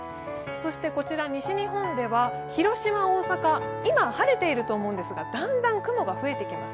そして西日本では広島、大阪、今晴れていると思うんですが、だんだん雲が増えてきます。